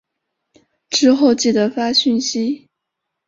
之后记得发讯息